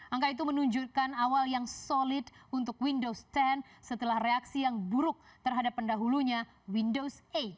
angka itu menunjukkan awal yang solid untuk windows sepuluh setelah reaksi yang buruk terhadap pendahulunya windows delapan